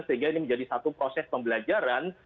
sehingga ini menjadi satu proses pembelajaran